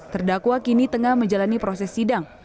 terdakwa kini tengah menjalani proses sidang